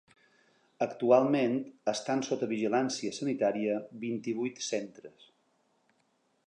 Actualment, estan sota vigilància sanitària vint-i-vuit centres.